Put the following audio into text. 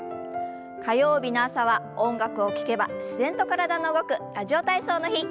火曜日の朝は音楽を聞けば自然と体が動く「ラジオ体操」の日。